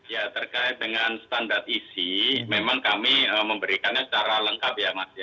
ya terkait dengan standar isi memang kami memberikannya secara lengkap ya mas